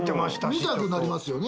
見たくなりますよね。